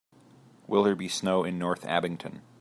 Will there be snow in North Abington